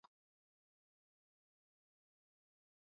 El dolor y la cojera se acentúan con la actividad física.